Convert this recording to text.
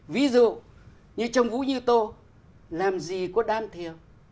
ví dụ như trong vũ như tô làm gì có đáng thiếu